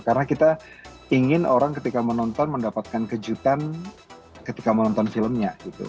karena kita ingin orang ketika menonton mendapatkan kejutan ketika menonton filmnya gitu